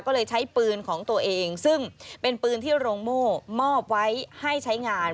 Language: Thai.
ก็เลยใช้ปืนของตัวเองซึ่งเป็นปืนที่โรงโม่มอบไว้ให้ใช้งาน